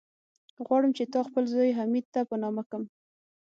غواړم چې تا خپل زوی، حميد ته په نامه کم.